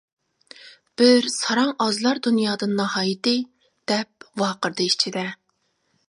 بىر ساراڭ ئازلار دۇنيادىن ناھايىتى-دەپ ۋارقىرىدى ئىچىدە.